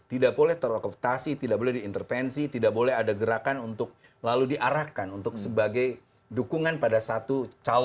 tidak boleh terokoptasi tidak boleh diintervensi tidak boleh ada gerakan untuk lalu diarahkan untuk sebagai dukungan pada satu calon